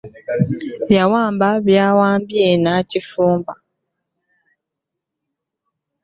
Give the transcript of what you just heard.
Yawamba buwambi na kifuba.